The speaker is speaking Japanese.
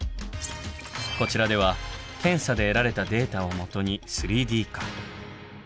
こちらでは検査で得られたデータをもとに３Ｄ化。